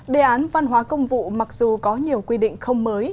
đề án văn hóa công vụ mặc dù có nhiều quy định không mới